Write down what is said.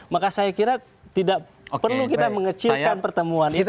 maka saya kira tidak perlu kita mengecilkan pertemuan itu